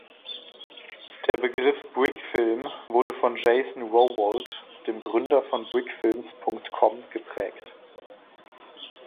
Der Begriff „Brickfilm“ wurde von Jason Rowoldt, dem Gründer von Brickfilms.com, geprägt.